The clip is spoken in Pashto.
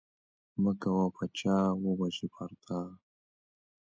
مه کوه په چا چې وبه شي پر تا